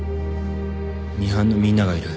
ミハンのみんながいる。